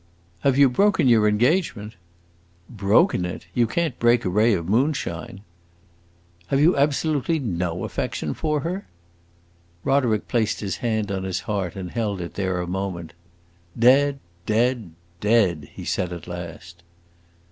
"Have you broken your engagement?" "Broken it? You can't break a ray of moonshine." "Have you absolutely no affection for her?" Roderick placed his hand on his heart and held it there a moment. "Dead dead dead!" he said at last.